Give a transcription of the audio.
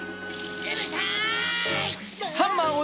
うるさい！